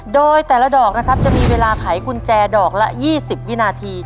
โดยแต่ละดอกนะครับจะมีเวลาไขกุญแจดอกละ๒๐วินาที